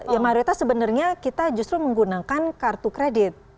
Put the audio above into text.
ya mayoritas sebenarnya kita justru menggunakan kartu kredit